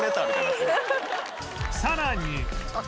さらに